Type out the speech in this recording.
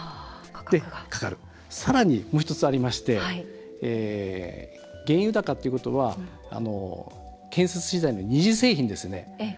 さらに、もう１つありまして原油高っていうことは建設資材の二次製品ですね